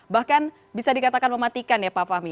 bahkan bisa dikatakan mematikan ya pak fahmi